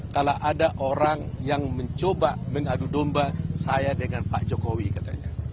kalau ada orang yang mencoba mengadu domba saya dengan pak jokowi katanya